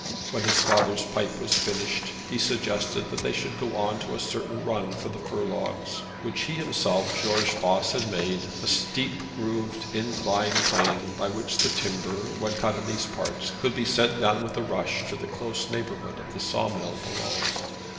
When his father's pipe was finished he suggested that they should go on to a certain run for the fir logs, which he himself George Voss had made a steep grooved inclined plane by which the timber when cut in these parts could be sent down with a rush to the close neighbourhood of the saw mill below.